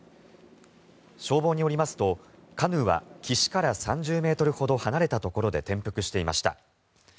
消防によりますと、カヌーは岸から３０ｍほど離れたところで転覆していました。